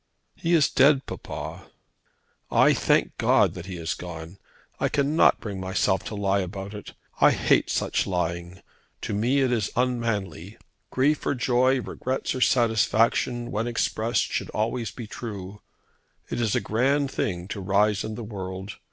"He is dead, papa!" "I thank God that he has gone. I cannot bring myself to lie about it. I hate such lying. To me it is unmanly. Grief or joy, regrets or satisfaction, when expressed, should always be true. It is a grand thing to rise in the world.